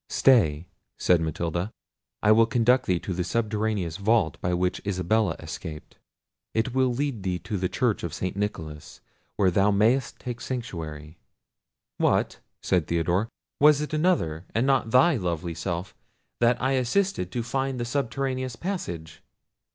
"Stay," said Matilda; "I will conduct thee to the subterraneous vault by which Isabella escaped; it will lead thee to the church of St. Nicholas, where thou mayst take sanctuary." "What!" said Theodore, "was it another, and not thy lovely self that I assisted to find the subterraneous passage?"